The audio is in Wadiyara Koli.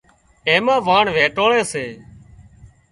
اين مان واڻ ويٽوۯي سي